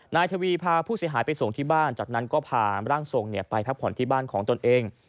นายทวีพาผู้เสียหายไปส่งที่บ้านจากนั้นก็พาร่างทรงไปพักผ่อนที่บ้านของตนเอง